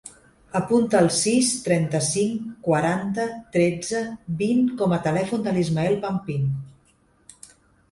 Apunta el sis, trenta-cinc, quaranta, tretze, vint com a telèfon de l'Ismael Pampin.